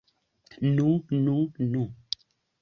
Nu, nu, nu!